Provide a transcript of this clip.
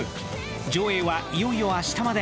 上映はいよいよ明日まで。